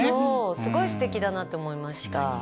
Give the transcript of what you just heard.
すごいすてきだなって思いました。